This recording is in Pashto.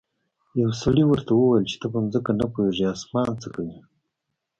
یو سړي ورته وویل چې ته په ځمکه نه پوهیږې اسمان څه کوې.